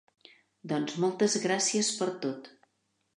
Doncs moltes gràcies per tot!